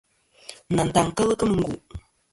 Nantaŋ kel kemɨ n.